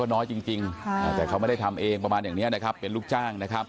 มันก็น้อยจริงแต่เขาไม่ได้ทำเองประมาณอย่างนี้เป็นลูกจ้าง